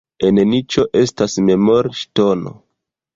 En niĉo estas memorŝtono.